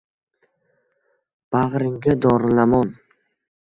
Bagʼringga dorilamon